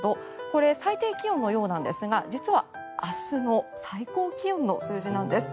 これ、最低気温のようなんですが実は明日の最高気温の数字なんです。